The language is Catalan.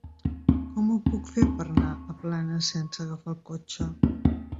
Com ho puc fer per anar a Planes sense agafar el cotxe?